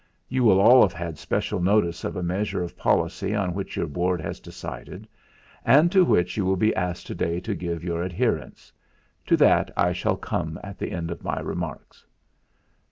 You will all have had special notice of a measure of policy on which your Board has decided, and to which you will be asked to day to give your adherence to that I shall come at the end of my remarks...."